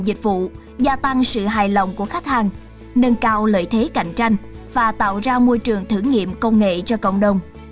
các doanh nghiệp tăng cường dịch vụ gia tăng sự hài lòng của khách hàng nâng cao lợi thế cạnh tranh và tạo ra môi trường thử nghiệm công nghệ cho cộng đồng